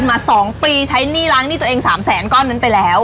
มา๒ปีใช้หนี้ล้างหนี้ตัวเอง๓แสนก้อนนั้นไปแล้ว